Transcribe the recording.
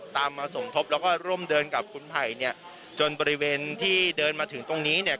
ตามมาสมทบแล้วก็ร่วมเดินกับคุณไผ่เนี่ยจนบริเวณที่เดินมาถึงตรงนี้เนี่ย